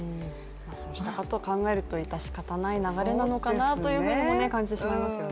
そうしたことを考えると、いたしかたない流れなのかなとも感じてしまいますね。